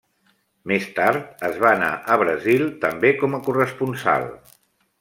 Més tard es va anar a Brasil, també com a corresponsal.